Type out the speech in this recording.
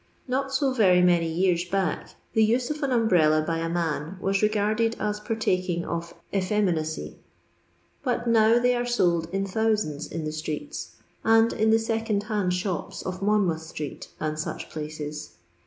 Not so very many years back the use of an umbrella by a man Was regarded as partaking of effeminacy, but now they are sold in thousands in the streets, and in the second hand shops of Monmouth street and such places.